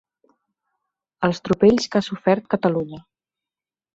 Els tropells que ha sofert Catalunya.